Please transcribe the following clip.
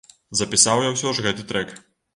Запісаў я ўсё ж гэты трэк.